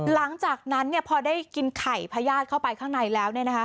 หลังจากนั้นพอได้กินไข่พญาติเข้าไปข้างในแล้ว